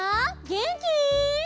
げんき？